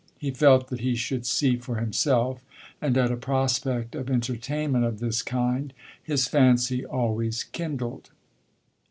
He felt that he should see for himself, and at a prospect of entertainment of this kind, his fancy always kindled.